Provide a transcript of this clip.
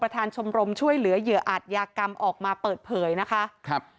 ชมรมช่วยเหลือเหยื่ออาจยากรรมออกมาเปิดเผยนะคะครับ